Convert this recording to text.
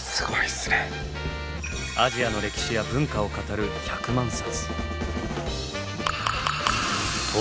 アジアの歴史や文化を語る１００万冊。